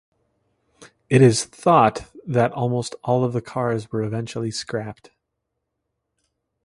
It is thought that almost all of the cars were eventually scrapped.